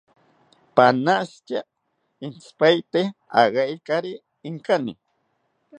Panashitya intzipaete agaikari inkani